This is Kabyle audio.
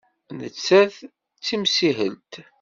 Nettat d timsihelt?